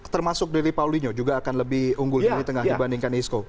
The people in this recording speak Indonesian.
termasuk deli paulino juga akan lebih unggul di lini tengah dibandingkan isco